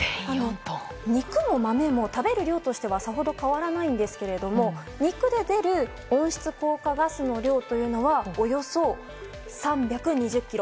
肉も豆も食べる量としてはさほど変わらないんですけど肉で出る温室効果ガスの量はおよそ３２０ｋｇ。